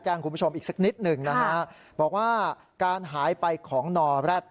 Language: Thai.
คุณผู้ชมอีกสักนิดหนึ่งนะฮะบอกว่าการหายไปของนอแร็ด